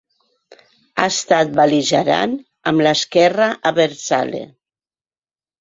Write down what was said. Ha estat bel·ligerant amb l’esquerra abertzale.